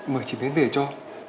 mời chị đến về cho